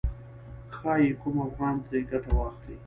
ښايي کوم افغان ترې ګټه واخلي.